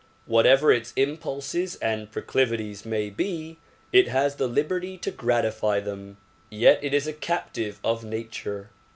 Whatever its impulses and proclivities may be it has the liberty to gratify them; yet it is a captive of nature.